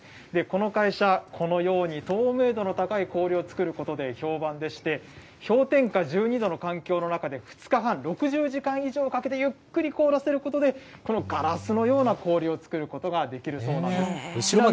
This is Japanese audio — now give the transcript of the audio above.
この会社、このように透明度の高い氷を作ることで評判でして、氷点下１２度の環境の中で、２日半、６０時間以上かけてゆっくり凍らせることで、このガラスのような氷を作ることができるそうなんです。